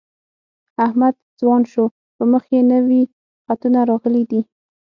احمد ځوان شو په مخ یې نوي خطونه راغلي دي.